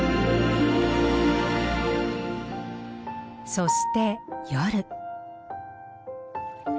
そして夜。